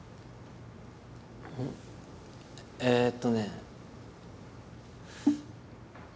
えっとね。